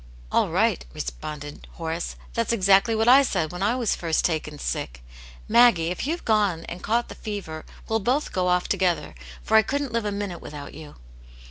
" All right !" responded Horace. " That's exactly what I said when I was first taken sick. Maggie, if you've gone and caught the fever, we'll both go off together, for I couldn't live a minute without you."